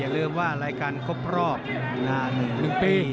โอ้วดูดิอีกแล้วบอกแล้วไงบอกแล้วไง